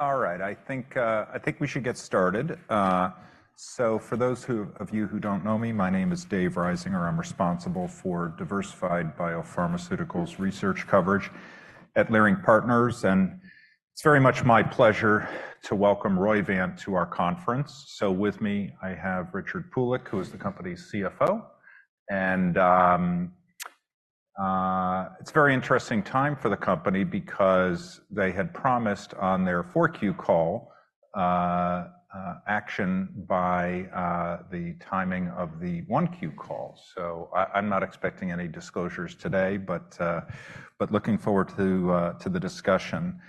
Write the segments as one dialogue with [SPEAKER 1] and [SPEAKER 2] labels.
[SPEAKER 1] All right, I think, I think we should get started. So for those of you who don't know me, my name is David Risinger. I'm responsible for diversified biopharmaceuticals research coverage at Leerink Partners, and it's very much my pleasure to welcome Roivant to our conference. So with me, I have Richard Pulik, who is the company's CFO, and, it's a very interesting time for the company because they had promised on their 4Q call, action by, the timing of the 1Q call. So I, I'm not expecting any disclosures today, but, but looking forward to, to the discussion.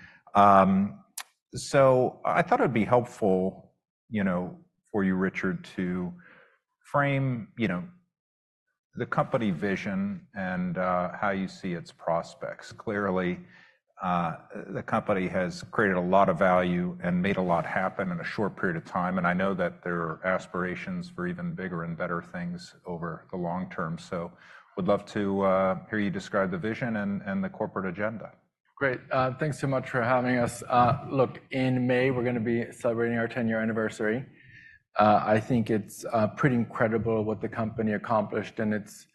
[SPEAKER 1] So I thought it'd be helpful, you know, for you, Richard, to frame, you know, the company vision and, how you see its prospects. Clearly, the company has created a lot of value and made a lot happen in a short period of time, and I know that there are aspirations for even bigger and better things over the long term. So would love to hear you describe the vision and the corporate agenda.
[SPEAKER 2] Great. Thanks so much for having us. Look, in May, we're gonna be celebrating our 10-year anniversary. I think it's pretty incredible what the company accomplished in its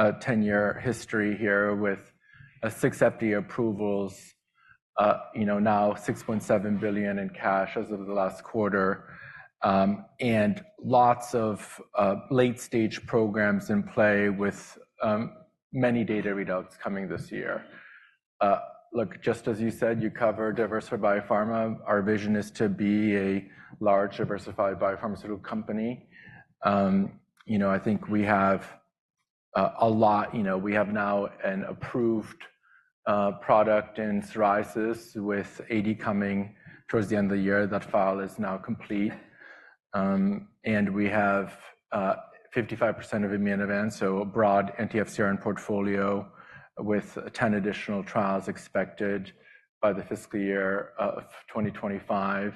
[SPEAKER 2] 10-year history here, with six FDA approvals, you know, now $6.7 billion in cash as of the last quarter. And lots of late-stage programs in play with many data readouts coming this year. Look, just as you said, you cover diversified biopharma. Our vision is to be a large, diversified biopharmaceutical company. You know, I think we have a lot. You know, we have now an approved product in psoriasis, with AD coming towards the end of the year. That file is now complete. And we have 55% of Immunovant, so a broad anti-FcRn portfolio, with 10 additional trials expected by the fiscal year of 2025,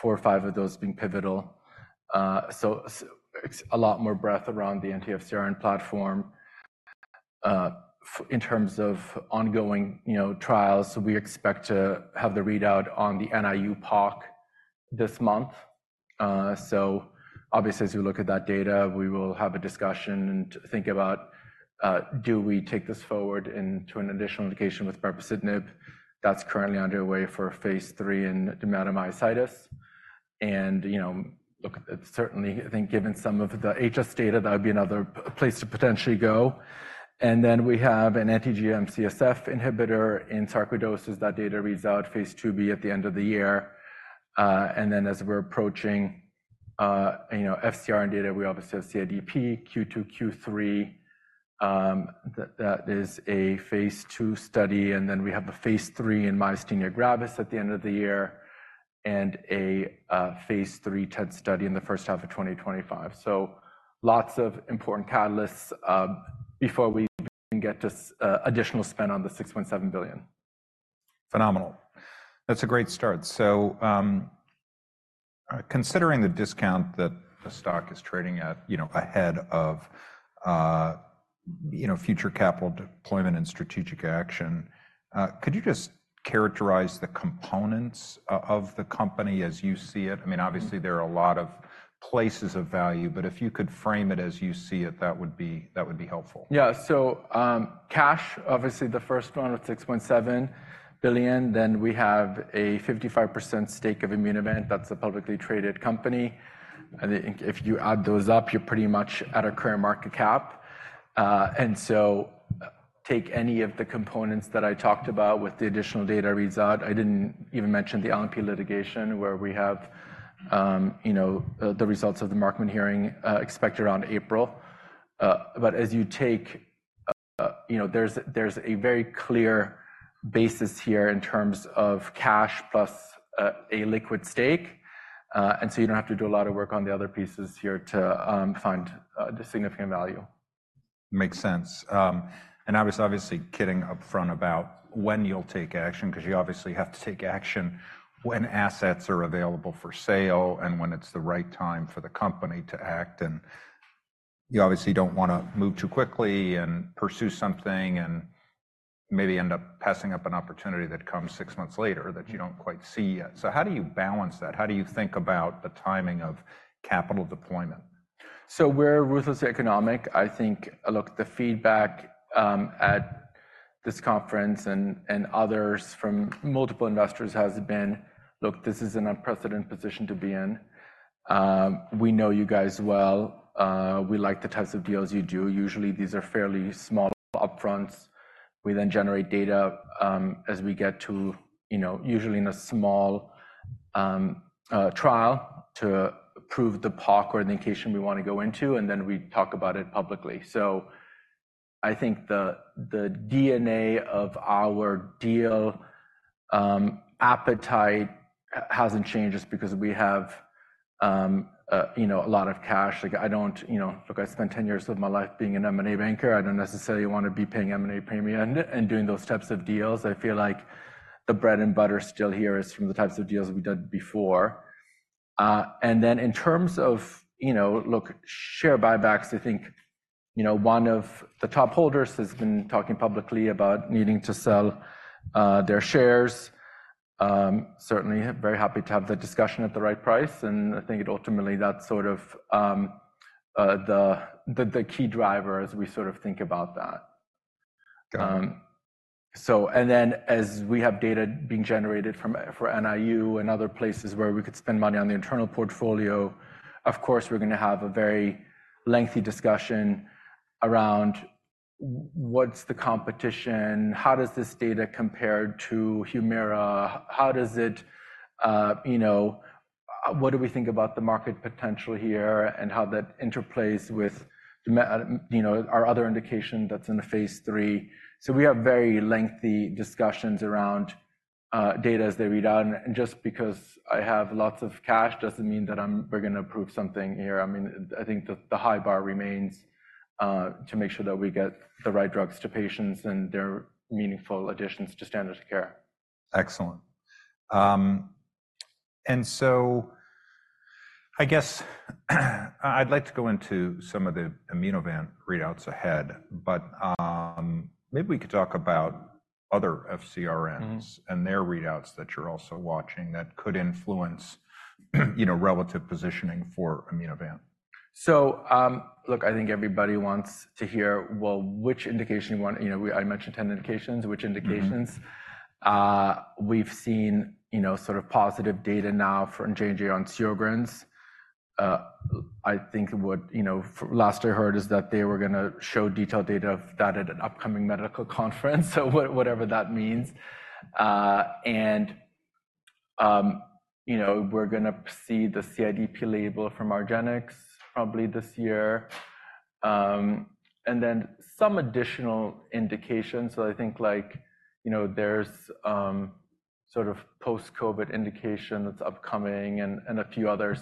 [SPEAKER 2] four or five of those being pivotal. So it's a lot more breadth around the anti-FcRn platform. In terms of ongoing, you know, trials, so we expect to have the readout on the NIU POC this month. So obviously, as we look at that data, we will have a discussion and think about, do we take this forward into an additional indication with brepocitinib? That's currently underway for phase III in dermatomyositis. And, you know, look, certainly, I think given some of the HS data, that would be another place to potentially go. And then we have an anti-GM-CSF inhibitor in sarcoidosis. That data reads out phase IIb at the end of the year. And then as we're approaching, you know, FcRn data, we obviously have CIDP, Q2, Q3. That, that is a phase II study, and then we have the phase III in myasthenia gravis at the end of the year, and a phase III TED study in the first half of 2025. So lots of important catalysts, before we can get to additional spend on the $6.7 billion.
[SPEAKER 1] Phenomenal. That's a great start. So, considering the discount that the stock is trading at, you know, ahead of, you know, future capital deployment and strategic action, could you just characterize the components of the company as you see it? I mean, obviously-... there are a lot of places of value, but if you could frame it as you see it, that would be, that would be helpful.
[SPEAKER 2] Yeah. So, cash, obviously the first one with $6.7 billion. Then we have a 55% stake of Immunovant. That's a publicly traded company. I think if you add those up, you're pretty much at our current market cap. And so, take any of the components that I talked about with the additional data reads out. I didn't even mention the LNP litigation, where we have, you know, the results of the Markman hearing, expected around April. But as you take... You know, there's a very clear basis here in terms of cash plus a liquid stake, and so you don't have to do a lot of work on the other pieces here to find the significant value.
[SPEAKER 1] Makes sense. I was obviously kidding upfront about when you'll take action, 'cause you obviously have to take action when assets are available for sale and when it's the right time for the company to act, and you obviously don't wanna move too quickly and pursue something and maybe end up passing up an opportunity that comes six months later that you don't quite see yet. So how do you balance that? How do you think about the timing of capital deployment?
[SPEAKER 2] So we're ruthlessly economic. I think. Look, the feedback at this conference and others from multiple investors has been, "Look, this is an unprecedented position to be in. We know you guys well. We like the types of deals you do." Usually, these are fairly small upfronts. We then generate data as we get to, you know, usually in a small trial to prove the POC or the indication we wanna go into, and then we talk about it publicly. So I think the DNA of our deal appetite hasn't changed just because we have, you know, a lot of cash. Like, I don't. You know, look, I spent 10 years of my life being an M&A banker. I don't necessarily want to be paying M&A premium and doing those types of deals. I feel like the bread and butter still here is from the types of deals we've done before. And then in terms of, you know, look, share buybacks, I think you know, one of the top holders has been talking publicly about needing to sell their shares. Certainly, very happy to have the discussion at the right price, and I think it ultimately that's sort of the key driver as we sort of think about that.
[SPEAKER 1] Got it.
[SPEAKER 2] So and then as we have data being generated from for NIU and other places where we could spend money on the internal portfolio, of course, we're gonna have a very lengthy discussion around what's the competition? How does this data compare to Humira? How does it, you know, what do we think about the market potential here, and how that interplays with the me you know, our other indication that's in the phase three. We have very lengthy discussions around data as they read out. Just because I have lots of cash, doesn't mean that I'm we're gonna approve something here. I mean, I think the, the high bar remains, to make sure that we get the right drugs to patients, and they're meaningful additions to standard of care.
[SPEAKER 1] Excellent. And so I guess, I'd like to go into some of the Immunovant readouts ahead, but, maybe we could talk about other FcRns- And their readouts that you're also watching that could influence, you know, relative positioning for Immunovant.
[SPEAKER 2] So, look, I think everybody wants to hear, well, which indication you want. You know, I mentioned 10 indications. Which indications? We've seen, you know, sort of positive data now from J&J on Sjögren's. I think what, you know, last I heard is that they were gonna show detailed data of that at an upcoming medical conference, so whatever that means. And, you know, we're gonna see the CIDP label from argenx, probably this year. And then some additional indications, so I think like, you know, there's, sort of post-COVID indication that's upcoming and a few others.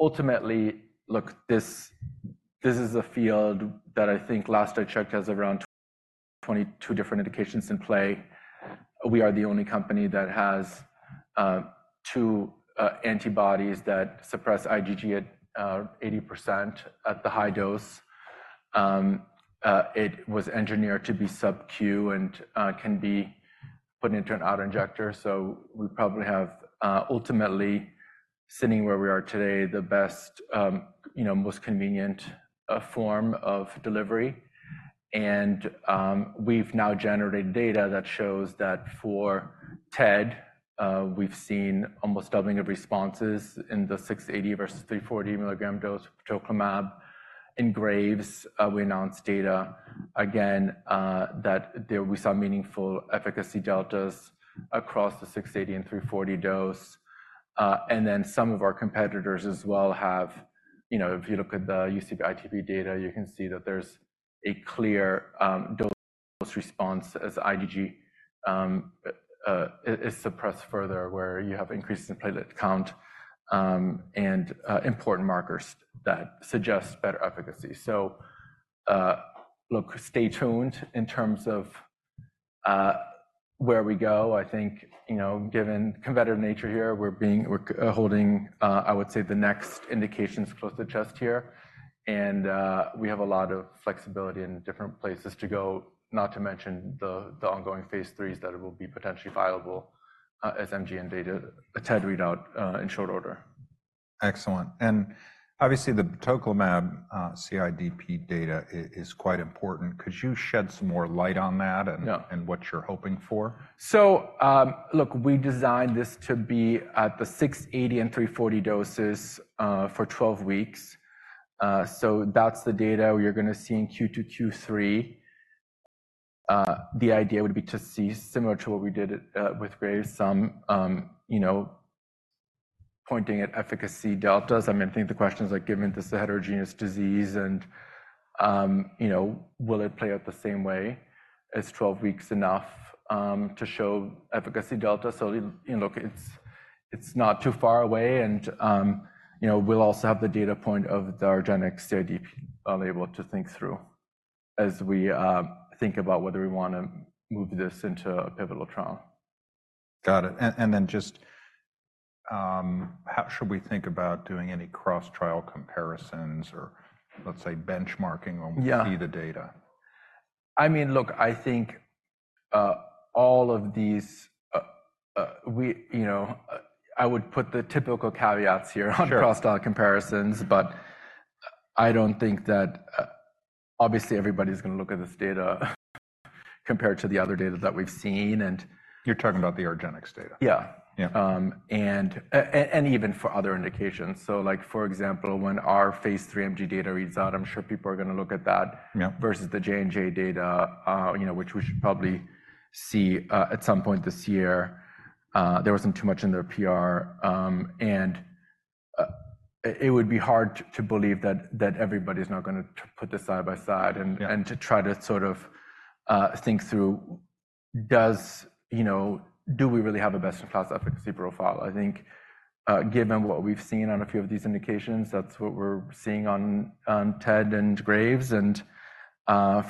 [SPEAKER 2] Ultimately, look, this is a field that I think last I checked, has around 22 different indications in play. We are the only company that has two antibodies that suppress IgG at 80% at the high dose. It was engineered to be subQ and can be put into an auto-injector. So we probably have, ultimately, sitting where we are today, the best, you know, most convenient, form of delivery. And, we've now generated data that shows that for TED, we've seen almost doubling of responses in the 680 versus 340 milligram dose batoclimab. In Graves, we announced data again, that there we saw meaningful efficacy deltas across the 680 and 340 dose. And then some of our competitors as well have... You know, if you look at the UCB ITP data, you can see that there's a clear, dose response as IgG, is suppressed further, where you have increases in platelet count, and, important markers that suggest better efficacy. So, look, stay tuned in terms of, where we go. I think, you know, given competitive nature here, we're holding, I would say, the next indications close to chest here. We have a lot of flexibility in different places to go, not to mention the ongoing phase 3s, that it will be potentially viable, as MG data, a TED readout, in short order.
[SPEAKER 1] Excellent. Obviously, the batoclimab CIDP data is quite important. Could you shed some more light on that?
[SPEAKER 2] Yeah...
[SPEAKER 1] and what you're hoping for?
[SPEAKER 2] So, look, we designed this to be at the 680 and 340 doses, for 12 weeks. So that's the data you're gonna see in Q2, Q3. The idea would be to see, similar to what we did, with Graves, some, you know, pointing at efficacy deltas. I mean, I think the questions are, given this heterogeneous disease, and, you know, will it play out the same way? Is 12 weeks enough to show efficacy delta? So, you know, look, it's, it's not too far away, and, you know, we'll also have the data point of the argenx CIDP, able to think through, as we, think about whether we wanna move this into a pivotal trial.
[SPEAKER 1] Got it. And then just, how should we think about doing any cross-trial comparisons or, let's say, benchmarking-
[SPEAKER 2] Yeah...
[SPEAKER 1] when we see the data?
[SPEAKER 2] I mean, look, I think, all of these, you know, I would put the typical caveats here.
[SPEAKER 1] Sure...
[SPEAKER 2] on cross-trial comparisons, but I don't think that. Obviously, everybody's gonna look at this data compared to the other data that we've seen, and-
[SPEAKER 1] You're talking about the argenx data?
[SPEAKER 2] Yeah.
[SPEAKER 1] Yeah.
[SPEAKER 2] Even for other indications. Like, for example, when our phase 3 MG data reads out, I'm sure people are gonna look at that.
[SPEAKER 1] Yeah...
[SPEAKER 2] versus the J&J data, you know, which we should probably see at some point this year. There wasn't too much in their PR, and it would be hard to believe that everybody is not gonna put this side by side-
[SPEAKER 1] Yeah...
[SPEAKER 2] and to try to sort of think through, you know, do we really have a best-in-class efficacy profile? I think, given what we've seen on a few of these indications, that's what we're seeing on TED and Graves and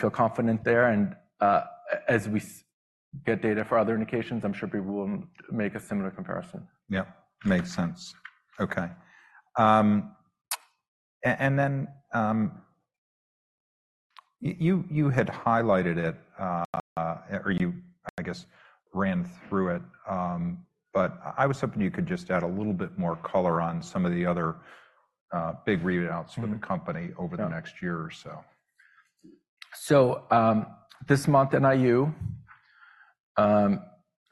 [SPEAKER 2] feel confident there. And, as we get data for other indications, I'm sure people will make a similar comparison.
[SPEAKER 1] Yeah, makes sense. Okay. And then, you, you had highlighted it, or you, I guess, ran through it, but I was hoping you could just add a little bit more color on some of the other big readouts for the company-
[SPEAKER 2] Yeah
[SPEAKER 1] over the next year or so.
[SPEAKER 2] So, this month, NIU.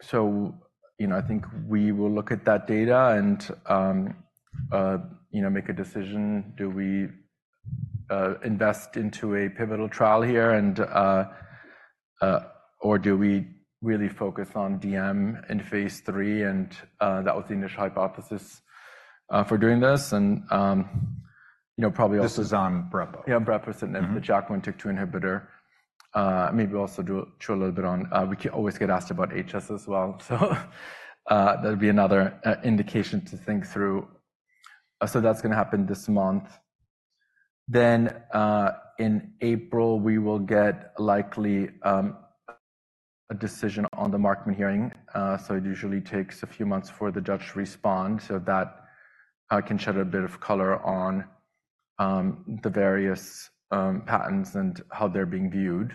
[SPEAKER 2] So, you know, I think we will look at that data and, you know, make a decision. Do we invest into a pivotal trial here, and, or do we really focus on DM in phase III? And, that was the initial hypothesis for doing this. And, you know, probably also-
[SPEAKER 1] This is on Brepo.
[SPEAKER 2] Yeah, Brepo, so the TYK2/JAK1 inhibitor. Maybe we'll also show a little bit on... We always get asked about HS as well, so that'll be another indication to think through. So that's gonna happen this month. Then, in April, we will get likely a decision on the Markman hearing. So it usually takes a few months for the judge to respond, so that can shed a bit of color on the various patents and how they're being viewed.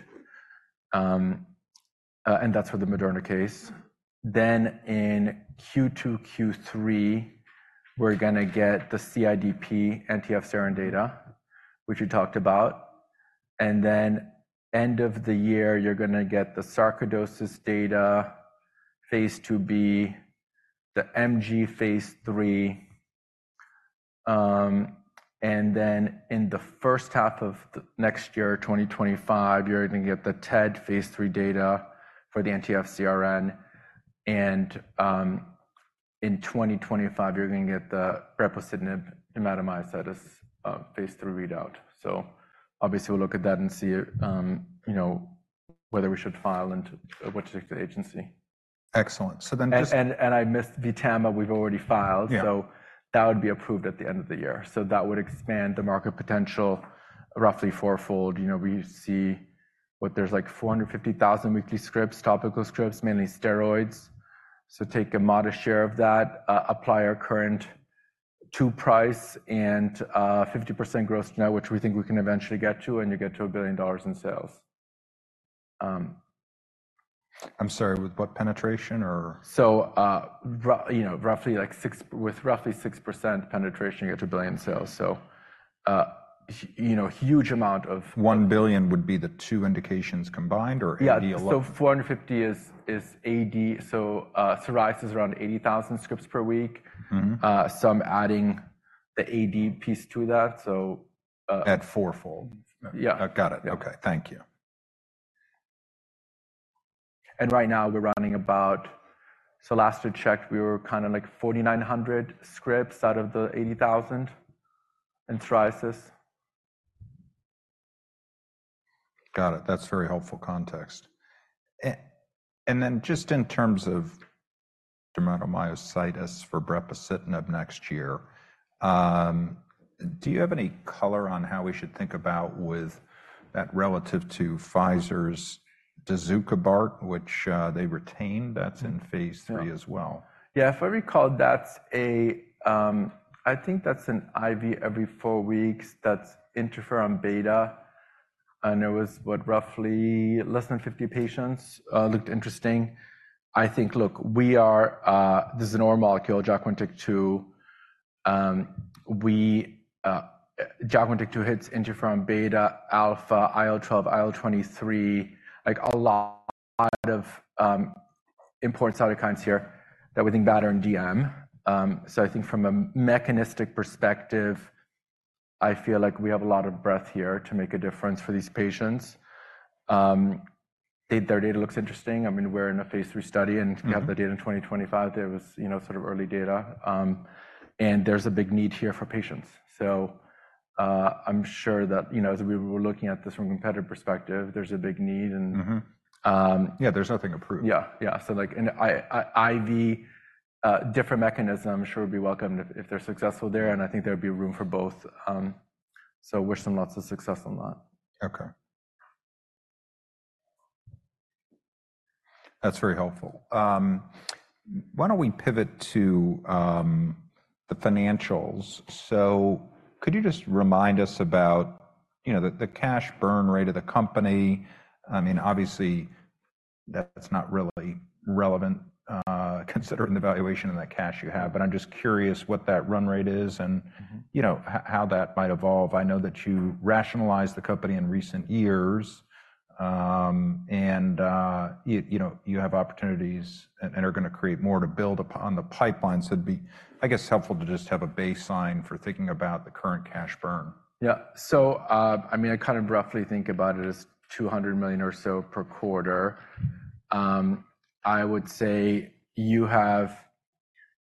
[SPEAKER 2] And that's for the Moderna case. Then in Q2, Q3, we're gonna get the CIDP anti-FcRn data, which we talked about. And then end of the year, you're gonna get the sarcoidosis data, phase IIb, the MG phase III. And then in the first half of the next year, 2025, you're gonna get the TED phase 3 data for the anti-FcRn. In 2025, you're gonna get the brepocitinib dermatomyositis phase 3 readout. So obviously, we'll look at that and see, you know, whether we should file and which agency.
[SPEAKER 1] Excellent. So then just-
[SPEAKER 2] I missed VTAMA. We've already filed.
[SPEAKER 1] Yeah.
[SPEAKER 2] That would be approved at the end of the year. That would expand the market potential, roughly fourfold. You know, we see like 450,000 weekly scripts, topical scripts, mainly steroids. So take a modest share of that, apply our current net price and 50% gross net, which we think we can eventually get to, and you get to $1 billion in sales.
[SPEAKER 1] I'm sorry, with what penetration or?
[SPEAKER 2] So, you know, roughly like 6% penetration, you get to $1 billion in sales. So, you know, huge amount of-
[SPEAKER 1] $1 billion would be the two indications combined or AD alone?
[SPEAKER 2] Yeah, so 450 is AD. So, psoriasis is around 80,000 scripts per week. I'm adding the AD piece to that, so
[SPEAKER 1] At fourfold?
[SPEAKER 2] Yeah.
[SPEAKER 1] Got it.
[SPEAKER 2] Yeah.
[SPEAKER 1] Okay, thank you.
[SPEAKER 2] Right now, we're running about... So last we checked, we were kinda like 4,900 scripts out of the 80,000 in psoriasis.
[SPEAKER 1] Got it. That's very helpful context. And then just in terms of dermatomyositis for brepocitinib next year, do you have any color on how we should think about with that relative to Pfizer's dazukibart, which they retained? That's in phase III as well.
[SPEAKER 2] Yeah, if I recall, that's a, I think that's an IV every 4 weeks. That's interferon beta, and it was what, roughly less than 50 patients, looked interesting. I think, look, we are, this is a normal molecule, JAK1/JAK2. We, JAK1/JAK2 hits interferon beta, alpha, IL-12, IL-23, like a lot of, important cytokines here that we think better in DM. So I think from a mechanistic perspective, I feel like we have a lot of breadth here to make a difference for these patients. Their data looks interesting. I mean, we're in a phase III study, and- We have the data in 2025. There was, you know, sort of early data. And there's a big need here for patients. So, I'm sure that, you know, as we were looking at this from a competitive perspective, there's a big need, and-
[SPEAKER 1] Yeah, there's nothing approved.
[SPEAKER 2] Yeah, yeah. So, like, an IV, different mechanism, I'm sure would be welcome if they're successful there, and I think there would be room for both. So wish them lots of success on that.
[SPEAKER 1] Okay. That's very helpful. Why don't we pivot to the financials? So could you just remind us about, you know, the cash burn rate of the company? I mean, obviously, that's not really relevant, considering the valuation and the cash you have, but I'm just curious what that run rate is, and-... you know, how that might evolve. I know that you rationalized the company in recent years, and you know, you have opportunities and are gonna create more to build upon the pipeline. So it'd be, I guess, helpful to just have a baseline for thinking about the current cash burn.
[SPEAKER 2] Yeah. So, I mean, I kinda roughly think about it as $200 million or so per quarter. I would say you have...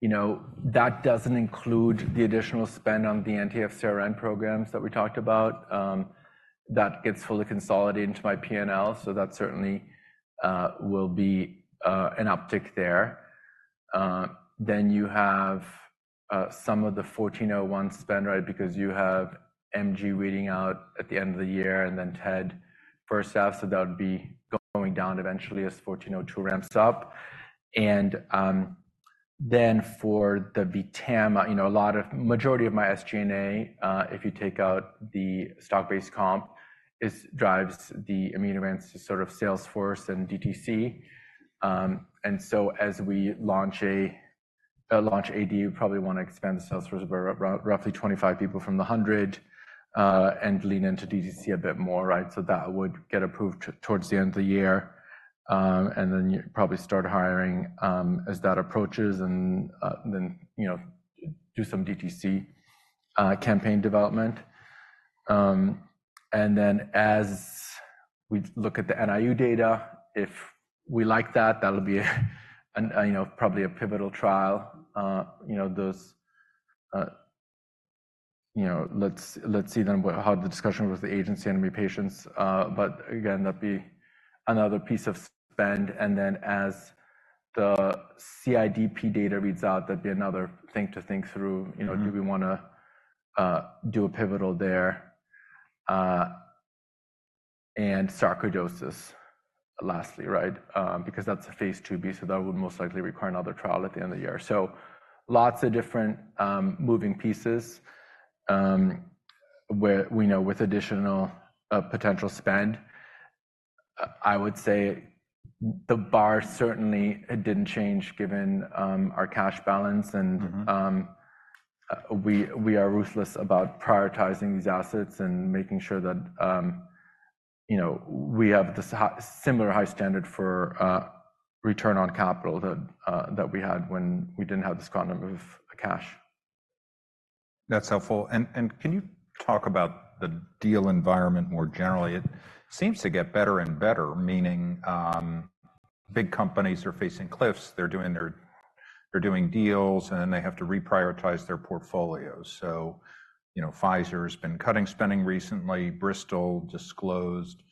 [SPEAKER 2] You know, that doesn't include the additional spend on the anti-FcRn programs that we talked about. That gets fully consolidated into my P&L, so that certainly will be an uptick there. Then you have some of the IMVT-1401 spend, right? Because you have MG reading out at the end of the year, and then TED first half, so that would be going down eventually as IMVT-1402 ramps up. And then for the VTAMA, you know, a lot of majority of my SG&A, if you take out the stock-based comp, is drives the Immunovant to sort of sales force and DTC. And so as we launch AD, you probably want to expand the sales force by roughly 25 people from the 100, and lean into DTC a bit more, right? So that would get approved towards the end of the year, and then you'd probably start hiring as that approaches, and then, you know, do some DTC campaign development. And then as we look at the NIU data, if we like that, that'll be a, you know, probably a pivotal trial. You know, those... You know, let's, let's see then how the discussion with the agency and new patients, but again, that'd be another piece of spend. And then as the CIDP data reads out, that'd be another thing to think through. You know, do we wanna do a pivotal there, and sarcoidosis lastly, right? Because that's a phase IIb, so that would most likely require another trial at the end of the year. So lots of different moving pieces, where we know with additional potential spend. I would say the bar certainly it didn't change, given our cash balance, and-... we are ruthless about prioritizing these assets and making sure that, you know, we have the similar high standard for return on capital that we had when we didn't have this quantum of cash.
[SPEAKER 1] That's helpful. Can you talk about the deal environment more generally? It seems to get better and better, meaning big companies are facing cliffs, they're doing their... They're doing deals, and then they have to reprioritize their portfolios. So, you know, Pfizer has been cutting spending recently. Bristol disclosed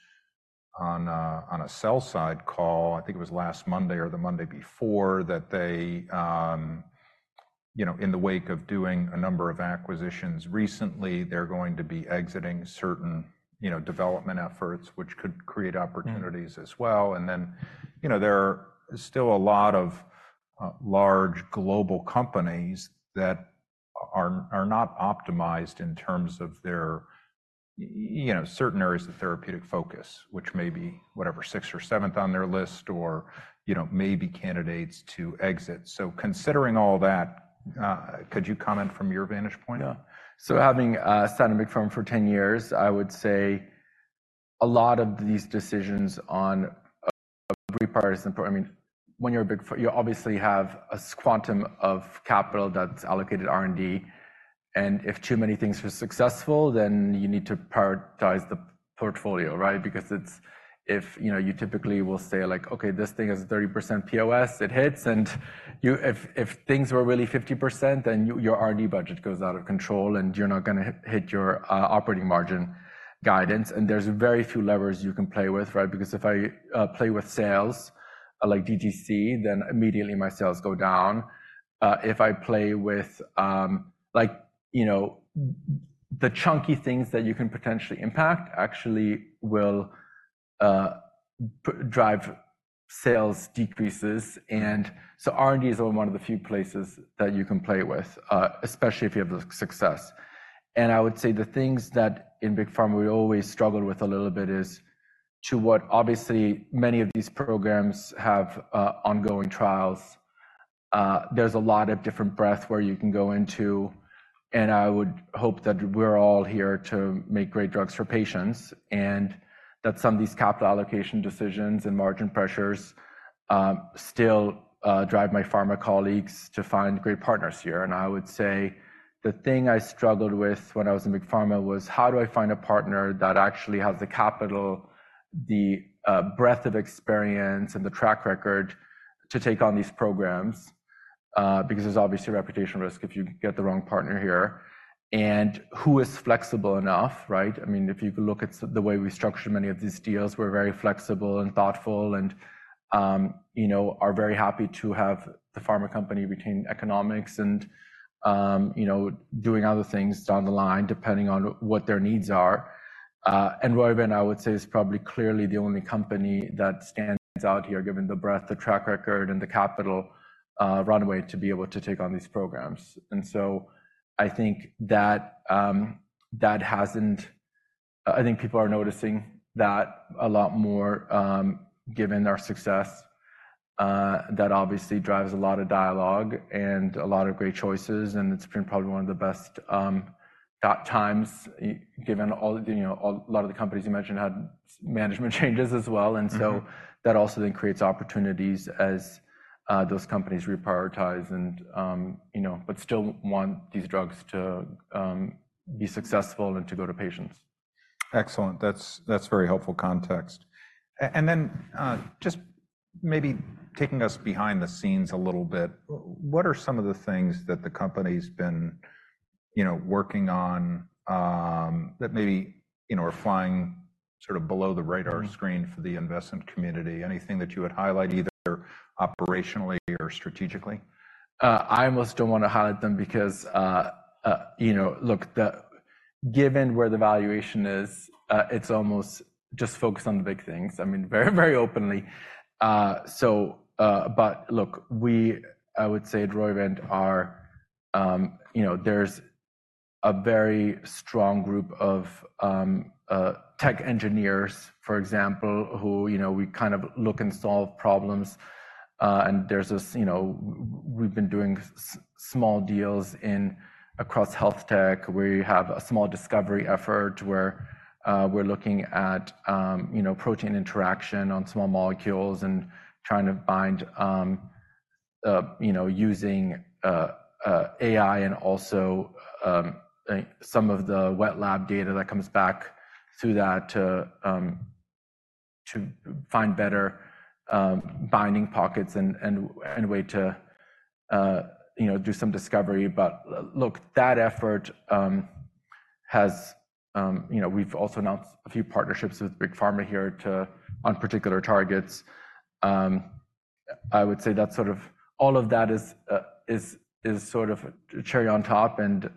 [SPEAKER 1] on a sell side call, I think it was last Monday or the Monday before, that they, you know, in the wake of doing a number of acquisitions recently, they're going to be exiting certain development efforts, which could create opportunities.... as well. And then, you know, there are still a lot of large global companies that are not optimized in terms of their, you know, certain areas of therapeutic focus, which may be whatever, sixth or seventh on their list or, you know, may be candidates to exit. So considering all that, could you comment from your vantage point?
[SPEAKER 2] Yeah. So having sat in a big firm for 10 years, I would say a lot of these decisions on reprioritizing. I mean, when you're a big pharma, you obviously have a quantum of capital that's allocated R&D, and if too many things were successful, then you need to prioritize the portfolio, right? Because it's... If, you know, you typically will say, like: "Okay, this thing is 30% POS, it hits," and if things were really 50%, then your R&D budget goes out of control, and you're not gonna hit your operating margin guidance, and there's very few levers you can play with, right? Because if I play with sales, like DTC, then immediately my sales go down. If I play with, like, you know, the chunky things that you can potentially impact actually will drive sales decreases. And so R&D is one of the few places that you can play with, especially if you have the success. And I would say the things that in big pharma we always struggle with a little bit is to what obviously many of these programs have ongoing trials. There's a lot of different breadth where you can go into, and I would hope that we're all here to make great drugs for patients, and that some of these capital allocation decisions and margin pressures still drive my pharma colleagues to find great partners here. I would say the thing I struggled with when I was in big pharma was: How do I find a partner that actually has the capital, the breadth of experience, and the track record to take on these programs? Because there's obviously reputation risk if you get the wrong partner here. And who is flexible enough, right? I mean, if you look at the way we structure many of these deals, we're very flexible and thoughtful and, you know, are very happy to have the pharma company retain economics and, you know, doing other things down the line, depending on what their needs are. And Roivant, I would say, is probably clearly the only company that stands out here, given the breadth, the track record, and the capital runway to be able to take on these programs. And so I think that people are noticing that a lot more, given our success. That obviously drives a lot of dialogue and a lot of great choices, and it's been probably one of the best dot times, given all the, you know, a lot of the companies you mentioned had management changes as well. And so that also then creates opportunities as those companies reprioritize and, you know, but still want these drugs to be successful and to go to patients.
[SPEAKER 1] Excellent. That's, that's very helpful context. And then, just maybe taking us behind the scenes a little bit, what are some of the things that the company's been working on, you know, that maybe, you know, are flying sort of below the radar screen. for the investment community. Anything that you would highlight, either operationally or strategically?
[SPEAKER 2] I almost don't want to highlight them because, you know, look, the given where the valuation is, it's almost just focused on the big things. I mean, very, very openly. So, but look, we, I would say at Roivant are. You know, there's a very strong group of tech engineers, for example, who, you know, we kind of look and solve problems. And there's this, you know, we've been doing small deals across health tech, where you have a small discovery effort, where we're looking at, you know, protein interaction on small molecules and trying to bind, you know, using AI and also some of the wet lab data that comes back through that to find better binding pockets and, and, and a way to, you know, do some discovery. But look, that effort has, you know, we've also announced a few partnerships with Big Pharma here to on particular targets. I would say that sort of, all of that is, is, is sort of cherry on top, and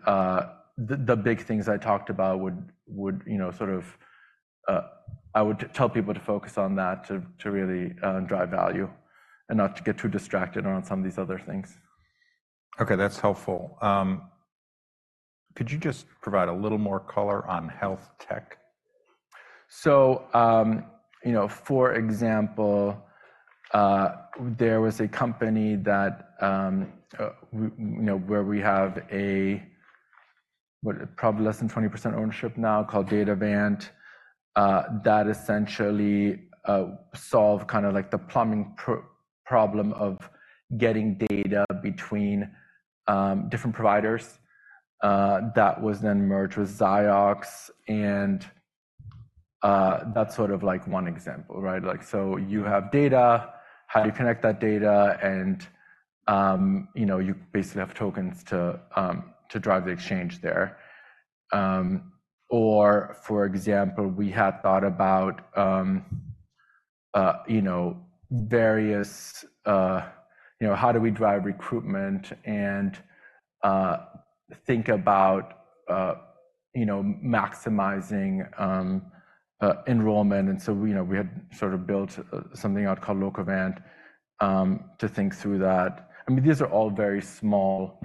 [SPEAKER 2] the big things I talked about would, would, you know, sort of... I would tell people to focus on that, to really drive value and not to get too distracted on some of these other things.
[SPEAKER 1] Okay, that's helpful. Could you just provide a little more color on health tech?
[SPEAKER 2] So, you know, for example, there was a company that, you know, where we have a, what, probably less than 20% ownership now, called Datavant, that essentially, solved kind of like the plumbing problem of getting data between, different providers. That was then merged with Ciox, and, that's sort of like one example, right? Like, so you have data, how do you connect that data, and, you know, you basically have tokens to, to drive the exchange there. Or for example, we had thought about, you know, various, you know, how do we drive recruitment and, think about, you know, maximizing, enrollment? And so, you know, we had sort of built, something out called Lokavant, to think through that. I mean, these are all very small-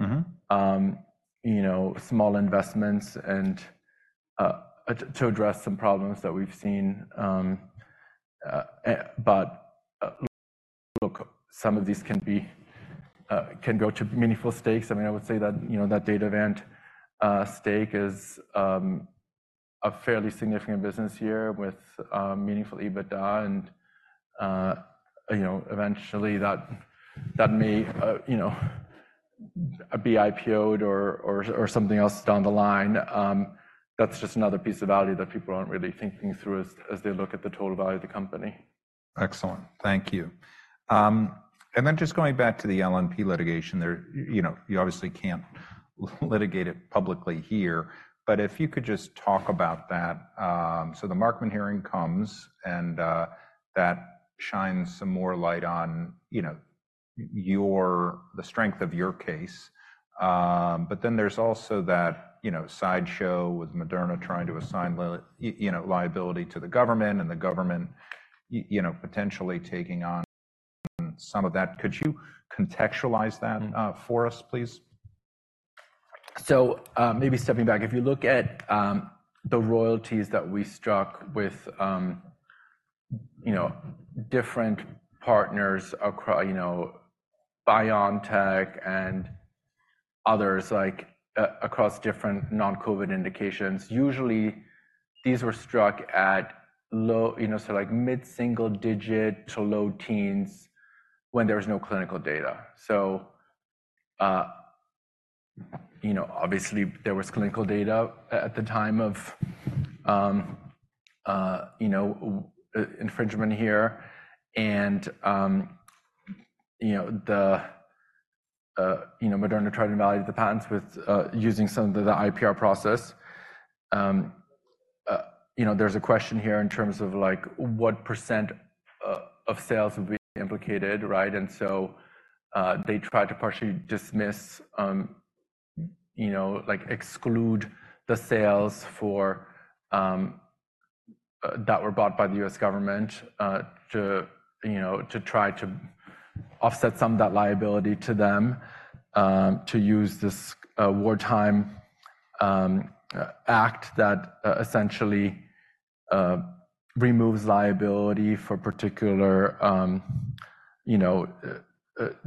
[SPEAKER 2] You know, small investments and to address some problems that we've seen. But look, some of these can grow to meaningful stakes. I mean, I would say that, you know, that Datavant stake is a fairly significant business here with meaningful EBITDA, and you know, eventually that may, you know, be IPO'd or something else down the line. That's just another piece of value that people aren't really thinking through as they look at the total value of the company.
[SPEAKER 1] Excellent. Thank you. And then just going back to the LNP litigation there, you know, you obviously can't litigate it publicly here, but if you could just talk about that. So the Markman hearing comes, and that shines some more light on, you know, your, the strength of your case. But then there's also that, you know, sideshow with Moderna trying to assign liability, you know, to the government and the government, you know, potentially taking on some of that. Could you contextualize that? for us, please?
[SPEAKER 2] So, maybe stepping back, if you look at the royalties that we struck with, you know, different partners across—you know, BioNTech and others, like, across different non-COVID indications, usually these were struck at low, like mid-single digit to low teens when there was no clinical data. So, you know, obviously, there was clinical data at the time of, you know, infringement here. And, you know, Moderna tried to invalidate the patents with using some of the IPR process. You know, there's a question here in terms of like, what percent of sales would be implicated, right? So, they tried to partially dismiss, you know, like exclude the sales for that were bought by the U.S. government, to, you know, to try to offset some of that liability to them, to use this Wartime Act that essentially removes liability for particular, you know,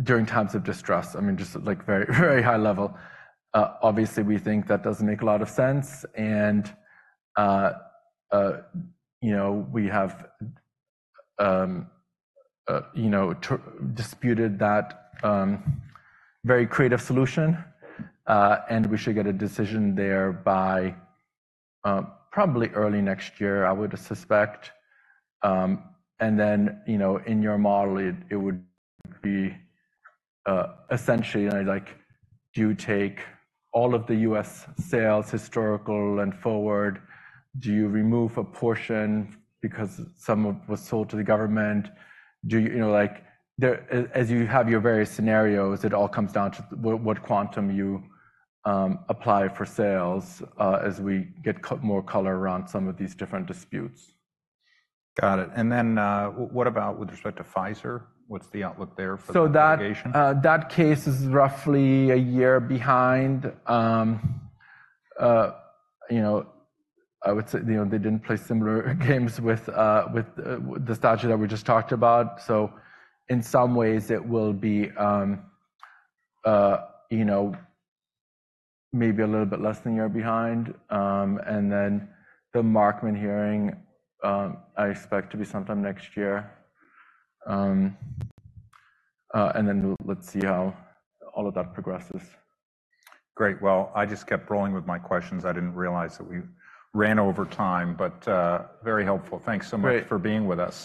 [SPEAKER 2] during times of distress. I mean, just like very, very high level. Obviously, we think that doesn't make a lot of sense, and, you know, we have, you know, disputed that very creative solution, and we should get a decision there by probably early next year, I would suspect. And then, you know, in your model, it, it would be essentially, like, do you take all of the U.S. sales, historical and forward? Do you remove a portion because some of it was sold to the government? Do you... You know, like, as you have your various scenarios, it all comes down to what quantum you apply for sales, as we get more color around some of these different disputes.
[SPEAKER 1] Got it. And then, what about with respect to Pfizer? What's the outlook there for the litigation?
[SPEAKER 2] So that that case is roughly a year behind. You know, I would say, you know, they didn't play similar games with with the statute that we just talked about. So in some ways, it will be, you know, maybe a little bit less than a year behind. And then the Markman hearing, I expect to be sometime next year. And then let's see how all of that progresses.
[SPEAKER 1] Great. Well, I just kept rolling with my questions. I didn't realize that we ran over time, but very helpful.
[SPEAKER 2] Great.
[SPEAKER 1] Thanks so much for being with us.